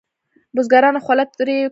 بزګرانو خوله توی کړې.